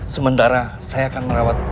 sementara saya akan merawat